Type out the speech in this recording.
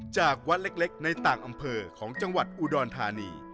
จากวัดเล็กในต่างอำเภอของจังหวัดอุดรธานี